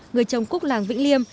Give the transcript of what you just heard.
người trồng cúc làng vĩnh liêm